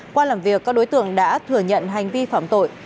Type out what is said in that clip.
qua làm việc các đối tượng đã thừa nhận hành vi phạm tội